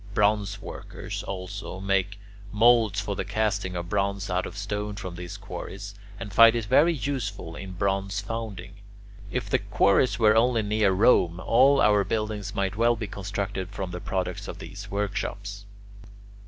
Bronze workers, also, make moulds for the casting of bronze out of stone from these quarries, and find it very useful in bronze founding. If the quarries were only near Rome, all our buildings might well be constructed from the products of these workshops.